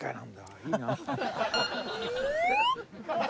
いいな。